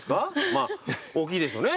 まあ大きいでしょうね。